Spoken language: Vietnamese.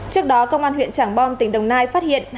trước đó công an huyện trảng bom tỉnh đồng nai phát hiện